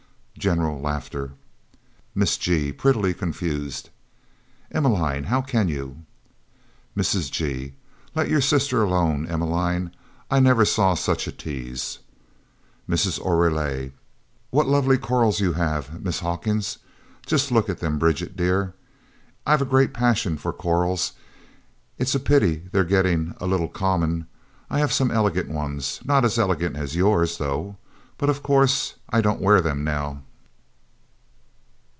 [General laughter]. Miss G. prettily confused "Emmeline, how can you!" Mrs. G. "Let your sister alone, Emmeline. I never saw such a tease!" Mrs. Oreille "What lovely corals you have, Miss Hawkins! Just look at them, Bridget, dear. I've a great passion for corals it's a pity they're getting a little common. I have some elegant ones not as elegant as yours, though but of course I don't wear them now."